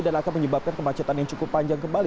dan akan menyebabkan kemacetan yang cukup panjang kembali